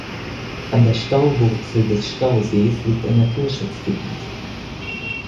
An der Stauwurzel des Stausees liegt ein Naturschutzgebiet.